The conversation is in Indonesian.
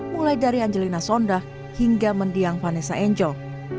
mulai dari angelina sonda hingga mendiang vanessa angel